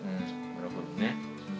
なるほどね。